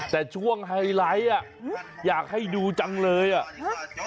แต่ช่วงไฮไลท์อ่ะอยากให้ดูจังเลยอ่ะ